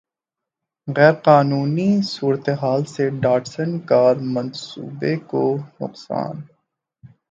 غیریقینی صورتحال سے Datsun car منصوبے کو نقصان